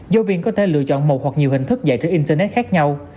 giáo viên có thể lựa chọn một hoặc nhiều hình thức dạy trên internet khác nhau